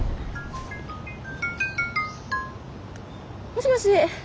もしもし。